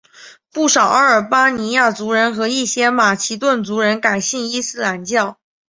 不少阿尔巴尼亚族人和一些马其顿族人改信伊斯兰教。